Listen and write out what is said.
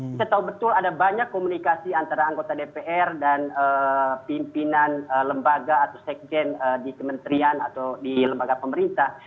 kita tahu betul ada banyak komunikasi antara anggota dpr dan pimpinan lembaga atau sekjen di kementerian atau di lembaga pemerintah